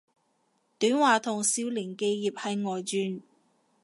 短話同少年寄葉係外傳